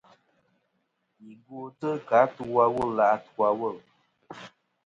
Yi gwotɨ kɨ atu a wul a atu a wul.